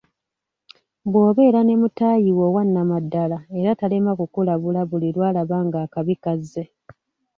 Bw'obeera ne mutaayi wo owannamaddala era talema kukulabula buli lwalaba nga akabi kazze.